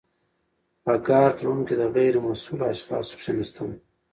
په ګارډ روم کي د غیر مسؤلو اشخاصو کښيناستل .